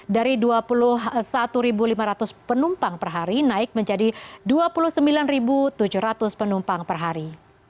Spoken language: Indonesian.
dari dua puluh satu lima ratus penumpang per hari naik menjadi dua puluh sembilan tujuh ratus penumpang per hari